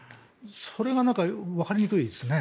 それがわかりにくいですね。